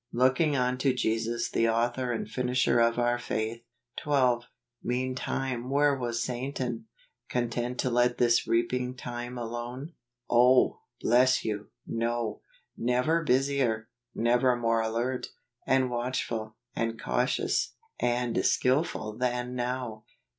" Looking unto Jesus the author and finisher oj our faith." 12. Meantime where was Satan ? Con¬ tent to let this reaping time alone ? Oh ! bless you, no. Never busier, never more alert, and watchful, and cautious, and skill¬ ful than now.